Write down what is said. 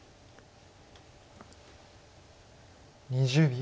２０秒。